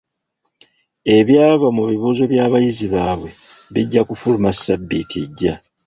Ebyava mu bibuuzo by'abayizi baabwe bijja kufuluma sabbiiti ejja.